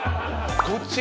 こっち